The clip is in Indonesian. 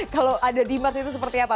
kalau ada di marts itu seperti apa